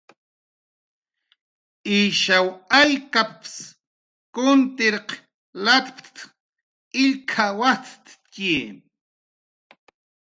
"Ishaw aykap""ps kuntirq latp""t""a illk""awajttxi."